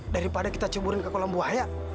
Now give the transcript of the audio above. daripada kita ceburin ke kolam buaya